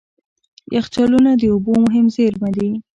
یخچالونه د اوبو مهم زیرمه دي.